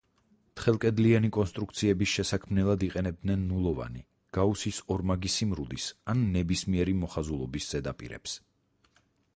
თხელკედლიანი კონსტრუქციების შესაქმნელად იყენებენ ნულოვანი, გაუსის ორმაგი სიმრუდის ან ნებისმიერი მოხაზულობის ზედაპირებს.